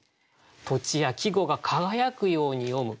土地や季語が輝くように詠む。